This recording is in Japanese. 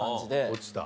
落ちた。